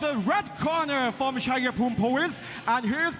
เดชน์ดำรงสอำนวยศิริโชคสดจากกวนลำเปอร์ประเทศมาเลเซียว